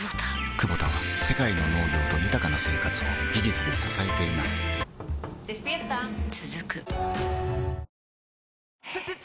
クボタは世界の農業と豊かな生活を技術で支えています起きて。